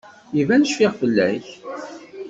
Iban cfiɣ fell-ak.